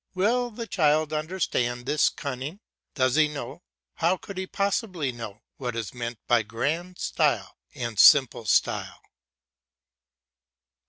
Will the child understand this cunning? Does he know, how could he possibly know, what is meant by grand style and simple style?